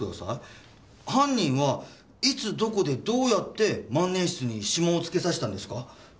犯人はいつどこでどうやって万年筆に指紋をつけさせたんですか？